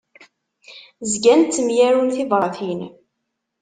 Zgan ttemyarun tibratin.